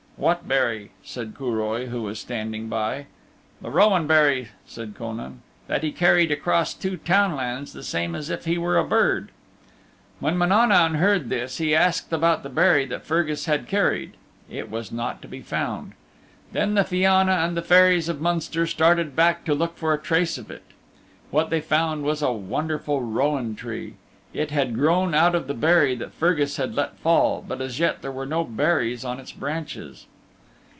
"What berry?" said Curoi, who was standing by. "The rowan berry," said Conan, "that he carried across two townlands the same as if he were a bird." When Mananaun heard this he asked about the berry that Fergus had carried. It was not to be found. Then the Fianna and the Fairies of Munster started back to look for a trace of it. What they found was a wonderful Rowan Tree. It had grown out of the berry that Fergus had let fall, but as yet there were no berries on its branches.